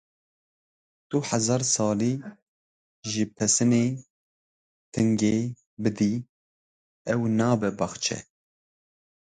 Tu hezar salî jî pesinê tingê bidî, ew nabe baxçe.